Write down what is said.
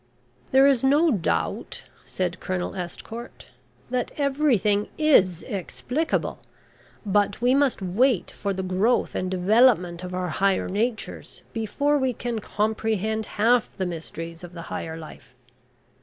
"There is no doubt," said Colonel Estcourt, "that everything is explicable, but we must wait for the growth and development of our higher natures before we can comprehend half the mysteries of the higher life.